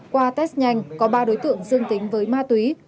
qua test nhanh có ba đối tượng dương tính với ma túy